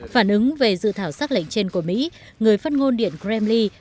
phản ứng về dự thảo xác lệnh trên của mỹ người phát ngôn điện kremli